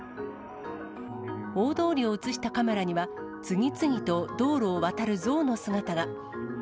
大通りを写したカメラには、次々と道路を渡るゾウの姿が。